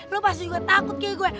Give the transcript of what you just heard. lo pasti juga takut kayak gue